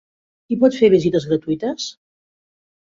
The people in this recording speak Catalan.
Qui pot fer visites gratuïtes?